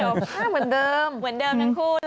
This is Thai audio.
เหมือนเดิมเหมือนเดิมทั้งคู่นะ